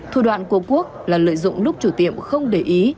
thủ đoạn của quốc là lợi dụng lúc chủ tiệm không để ý